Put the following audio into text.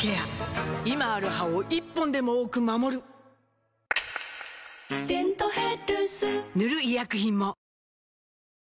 今ある歯を１本でも多く守る「デントヘルス」塗る医薬品も